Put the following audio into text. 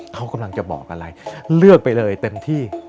เขากำลังจะบอกอะไรเลือกไปเลยเต็มที่